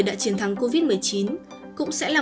đã chiến thắng covid một mươi chín cũng sẽ làm